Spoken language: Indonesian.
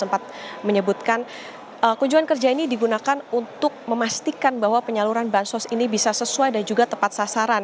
sempat menyebutkan kunjungan kerja ini digunakan untuk memastikan bahwa penyaluran bansos ini bisa sesuai dan juga tepat sasaran